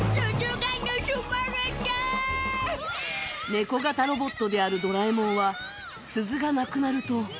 ネコ型ロボットであるドラえもんは鈴がなくなると。